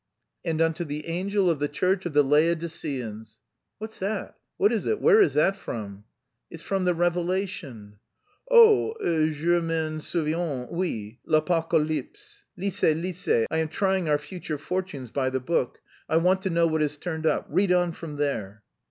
"'And unto the angel of the church of the Laodiceans...'" "What's that? What is it? Where is that from?" "It's from the Revelation." "Oh, je m'en souviens, oui, l'Apocalypse. Lisez, lisez, I am trying our future fortunes by the book. I want to know what has turned up. Read on from there...."